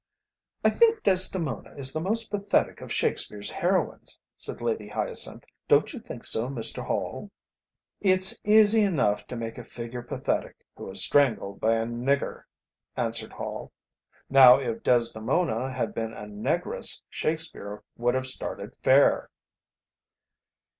"I think Desdemona is the most pathetic of Shakespeare's heroines," said Lady Hyacinth; "don't you think so, Mr. Hall?" "It's easy enough to make a figure pathetic, who is strangled by a nigger," answered Hall. "Now if Desdemona had been a negress Shakespeare would have started fair."